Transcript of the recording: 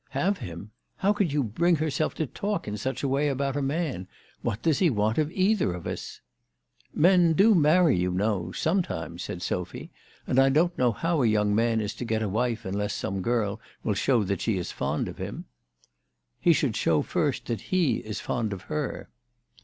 " Have him ! How can you bring yourself to talk in such a way about a man ? What does he want of either of us ?"" Men do marry you know, sometimes," said Sophy ;" and I don't know how a young man is to get a wife unless some girl will show that she is fond of him." "He should show first that he is fond of her."